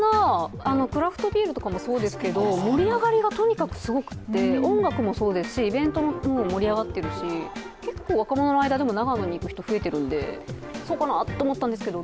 クラフトビールもそうですけど、盛り上がりがとにかくすごくって、音楽もそうですし、イベントも盛り上がっていますし、結構、若者の間でも長野に行く人増えてるんで、そうかなと。